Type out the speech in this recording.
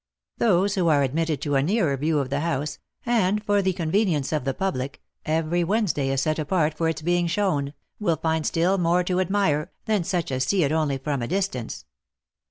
Those who are admitted to a nearer view of the house (and, for the convenience of the public, every Wednesday is set apart for its being shown), will find still more to admire, than such as see it only from a distance.